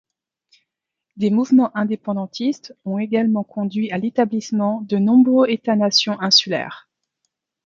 Des mouvements indépendantistes ont également conduit à l'établissement de nombreux États-nations insulaires.